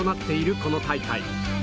この大会。